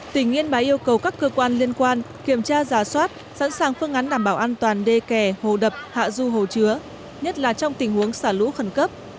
tỉnh yên bái yêu cầu các cơ quan liên quan kiểm tra giả soát sẵn sàng phương án đảm bảo an toàn đê kè hồ đập hạ du hồ chứa nhất là trong tình huống xả lũ khẩn cấp